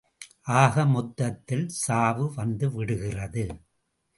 ஆக மொத்தத்தில் சாவு வத்துவிடுகிறது.